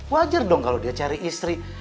wajar dong kalau dia cari istri